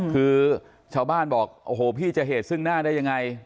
คือชาวบ้านบอกโอ้โหพี่จะเหตุซึ่งหน้าได้ยังไง